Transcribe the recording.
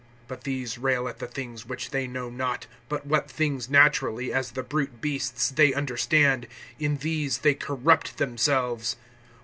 (10)But these rail at the things which they know not; but what things naturally, as the brute beasts, they understand, in these they corrupt themselves.